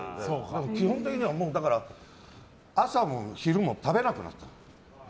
もう基本的には朝も昼も食べなくなった。